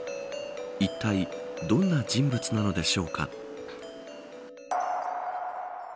いったいどんな人物なのでしょうか。